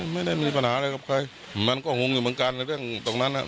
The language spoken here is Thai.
ไม่ได้มีปัญหาอะไรกับใครมันก็งงอยู่เหมือนกันในเรื่องตรงนั้นอ่ะ